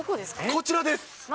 こちらです。